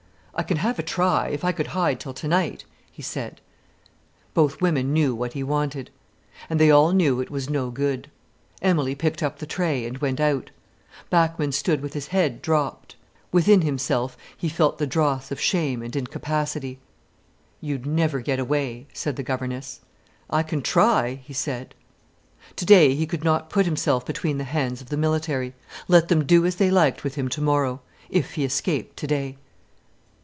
"I can have a try, if I could hide till tonight," he said. Both women knew what he wanted. And they all knew it was no good. Emilie picked up the tray, and went out. Bachmann stood with his head dropped. Within himself he felt the dross of shame and incapacity. "You'd never get away," said the governess. "I can try," he said. Today he could not put himself between the hands of the military. Let them do as they liked with him tomorrow, if he escaped today.